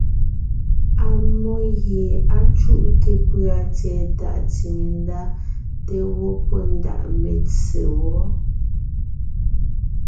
Ammó gie á cúte pʉ̀a tsɛ̀ɛ tàʼ tsìne ndá te gẅɔ́ pɔ́ ndaʼ metse wɔ́.